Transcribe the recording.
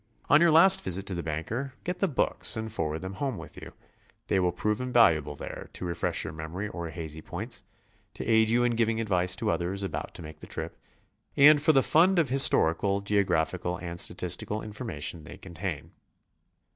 On your last visit to the banker, get the books and take them ho'me with you; they will prove invaluable there, to refresh your memory on hazy points, to aid you in giving advice to others about to make the trip, and for the fund of historical, geographical and statistical information they contain.